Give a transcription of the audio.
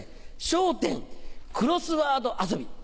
「笑点クロスワード遊び」。